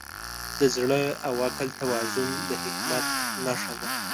د زړه او عقل توازن د حکمت نښه ده.